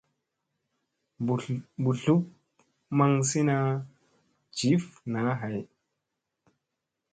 Mbuzlup maŋsina jif naa ɦay.